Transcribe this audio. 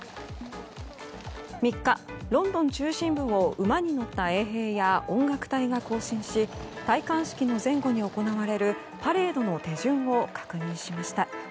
３日、ロンドン中心部を馬に乗った衛兵や音楽隊が行進し戴冠式の前後に行われるパレードの手順を確認しました。